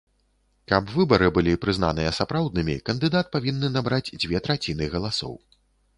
Каб выбары былі прызнаныя сапраўднымі, кандыдат павінны набраць дзве траціны галасоў.